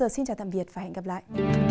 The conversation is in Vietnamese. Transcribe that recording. xin chào tạm biệt và hẹn gặp lại